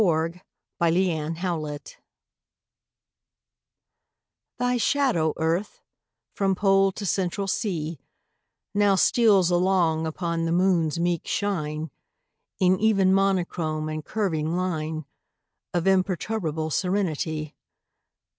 AT A LUNAR ECLIPSE THY shadow, Earth, from Pole to Central Sea, Now steals along upon the Moon's meek shine In even monochrome and curving line Of imperturbable serenity.